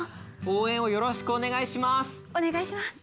応援をよろしくお願いします。